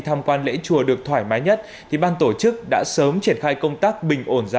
tham quan lễ chùa được thoải mái nhất thì ban tổ chức đã sớm triển khai công tác bình ổn giá